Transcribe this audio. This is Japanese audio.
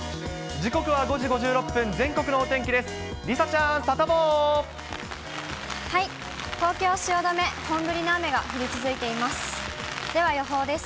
時刻は５時５６分、全国のお天気です。